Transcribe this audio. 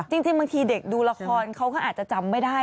จริงบางทีเด็กดูละครเขาก็อาจจะจำไม่ได้